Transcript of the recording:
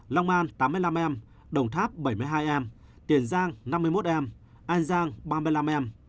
long an tám mươi năm em đồng tháp bảy mươi hai em tiền giang năm mươi một em an giang ba mươi năm em